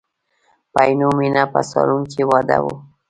په عینومیني په سالون کې واده و.